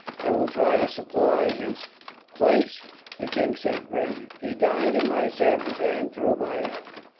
"I will try to supply his place," the king said gravely. "He died in my service, and through my error.